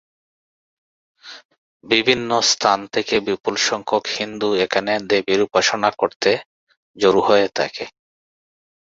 বিভিন্ন স্থান থেকে বিপুল সংখ্যক হিন্দু এখানে দেবীর উপাসনা করতে জড়ো হয়ে থাকে।